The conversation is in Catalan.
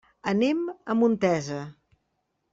Anem a Montesa.